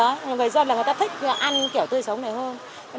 người dân là người ta thích ăn kiểu tươi sống này hơn